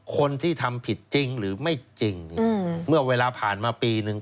คนที่ทำผิดจริงหรือไม่จริงเมื่อเวลาผ่านมาปีนึง